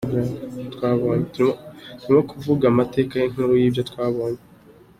Turimo kuvuga amateka, inkuru y’ibyo twabonye ».